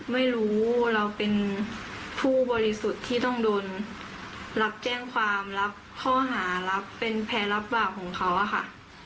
ไม่รู้เราเป็นผู้บริสุทธิ์ที่ต้องโดนรับแจ้งความรับข้อหารับเป็นแพ้รับบาปของเขาอะค่ะ